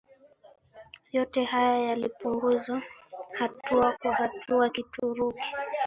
yote haya yalipunguza hatua kwa hatua kituruki